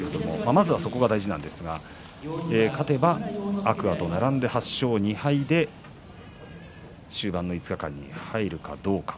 まずはそこが大事ですが勝てば天空海と並んで８勝２敗で終盤の５日間に入るかどうか。